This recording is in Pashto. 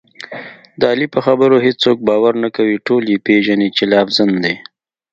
د علي په خبرو هېڅوک باور نه کوي، ټول یې پېژني چې لافزن دی.